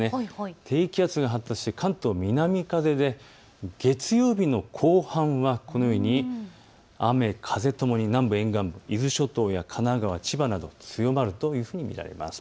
低気圧が発達して関東、南風で月曜日の後半は雨、風ともに沿岸部、伊豆諸島や神奈川、千葉など強まるものと見られます。